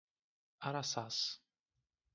Araçás